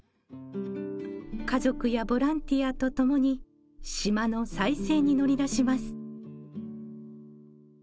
家族やボランティアとともに島の再生に乗りだします。